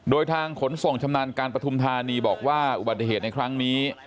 โดยทางขนส่งชำนาญการปฐุมธานีบอกว่าอุบัติเหตุในครั้งนี้